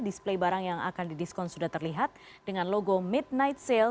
display barang yang akan didiskon sudah terlihat dengan logo midnight sale